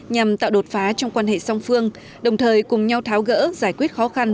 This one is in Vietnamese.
nhằm tạo đột phá trong quan hệ song phương đồng thời cùng nhau tháo gỡ giải quyết khó khăn